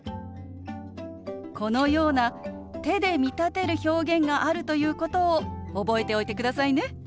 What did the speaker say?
このような手で見立てる表現があるということを覚えておいてくださいね。